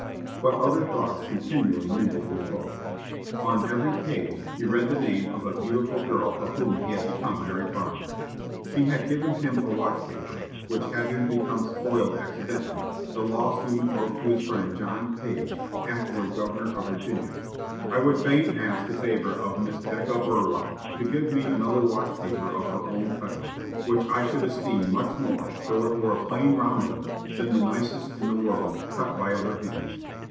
But other thoughts continually mingled with Coke. On every page he read the name of a beautiful girl of whom he had become very fond. She had given him a watch paper, which having become spoiled accidentally, the law student wrote to his friend John Page, afterward governor of Virginia, "I would fain ask the favor of Miss Becca Burwell to give me another watch paper of her own cutting, which I should esteem much more, though it were a plain round one, than the nicest in the world, cut by other hands."